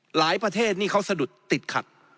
ประเทศนี่เขาสะดุดติดขัด